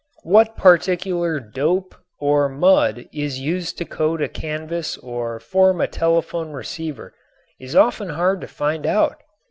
What particular "dope" or "mud" is used to coat a canvas or form a telephone receiver is often hard to find out.